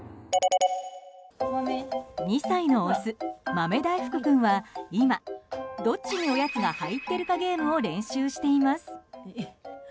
２歳のオス、豆大福君は、今どっちにおやつが入ってるかゲームを練習しています。